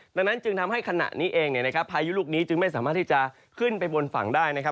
ดังนั้นจึงทำให้ขณะนี้เองพายุลูกนี้จึงไม่สามารถที่จะขึ้นไปบนฝั่งได้นะครับ